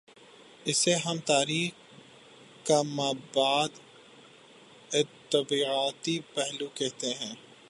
اسے ہم تاریخ کا ما بعد الطبیعیاتی پہلو کہتے ہیں۔